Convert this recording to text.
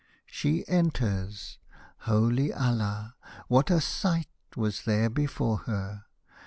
She enters — Holy Alla, what a sight Was there before her